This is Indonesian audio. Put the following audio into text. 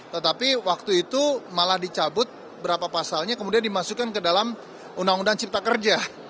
tetapi waktu itu malah dicabut berapa pasalnya kemudian dimasukkan ke dalam undang undang cipta kerja